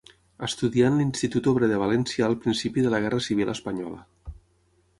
Estudià en l'Institut Obrer de València al principi de la Guerra Civil Espanyola.